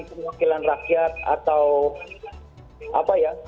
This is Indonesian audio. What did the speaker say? dewan wakilan rakyat atau apa ya